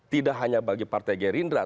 tidak hanya bagi partai gerindra